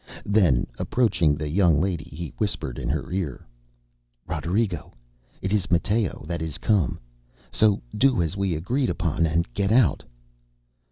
Then approaching the young lady, he whispered in her ear: ŌĆ£Roderigo, it is Matteo that is come. So do as we agreed upon, and get out.